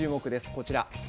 こちら。